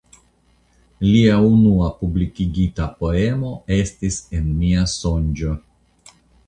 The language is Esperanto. Lia unua publikigita poemo estis "En mia sonĝo".